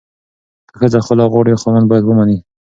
که ښځه خلع غواړي، خاوند باید ومني.